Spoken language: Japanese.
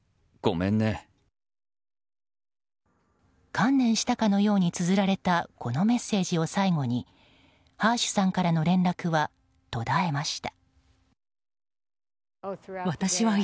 観念したかのようにつづられたこのメッセージを最後にハーシュさんからの連絡は途絶えました。